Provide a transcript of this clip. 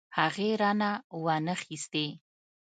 هغې رانه وانه خيستې.